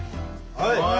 はい。